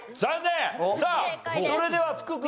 さあそれでは福君。